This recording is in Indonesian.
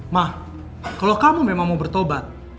mah kalau kamu memang mau bertobat